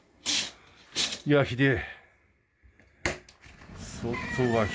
いや、ひでえ。